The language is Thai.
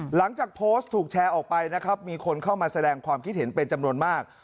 หลังจากโพสต์ถูกแชร์ออกไปนะครับมีคนเข้ามาแสดงความคิดเห็นเป็นจำนวนมาก